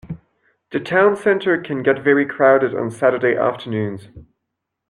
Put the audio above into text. The town centre can get very crowded on Saturday afternoons